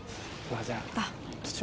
じゃあ。